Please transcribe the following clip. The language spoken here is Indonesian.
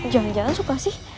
jangan jangan suka sih